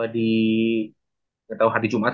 di gak tau hari jumat